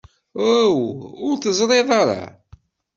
Aw, ur teẓrid ara?